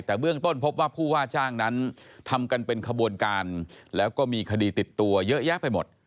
แต่เบื้องต้นพบว่าผู้ว่าจ้างนั้นทำกันเป็นขบวนการแล้วก็มีคดีติดตัวเยอะแยะไปหมด